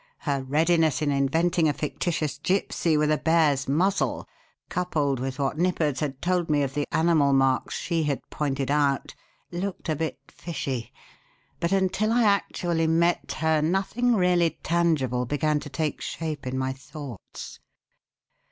Her readiness in inventing a fictitious gypsy with a bear's muzzle, coupled with what Nippers had told me of the animal marks she had pointed out, looked a bit fishy; but until I actually met her nothing really tangible began to take shape in my thoughts.